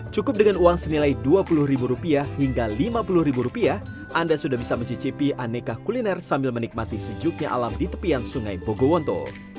cukup dengan uang senilai dua puluh ribu rupiah hingga lima puluh rupiah anda sudah bisa mencicipi aneka kuliner sambil menikmati sejuknya alam di tepian sungai bogowonto